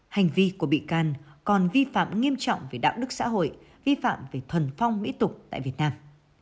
hành vi của bị can còn vi phạm nghiêm trọng về đạo đức xã hội vi phạm về thuần phong mỹ tục tại việt nam